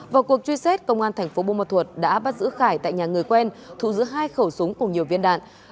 vào cuộc truy xét công an thành phố bô ma thuật đã bắt giữ khải tại nhà người quen thu giữ hai khẩu súng cùng nhiều viên đạn